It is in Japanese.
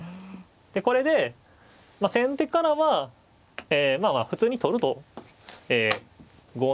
でこれで先手からはまあまあ普通に取ると５七に桂馬が。